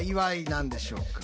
何でしょうか？